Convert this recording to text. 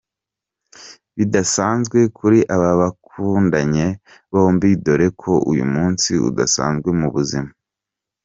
bidasanzwe kuri aba bakundanye bombi dore ko uyu munsi udasanzwe mu buzima.